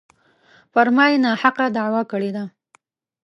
پر ما یې ناحقه دعوه کړې ده.